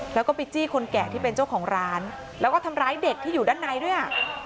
แล้วก็ไปจี้คนแก่ที่เป็นเจ้าของร้านแล้วก็ทำร้ายเด็กที่อยู่ด้านในด้วย